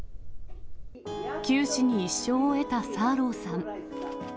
九死に一生を得たサーローさん。